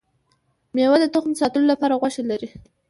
ميوه د تخم ساتلو لپاره غوښه لري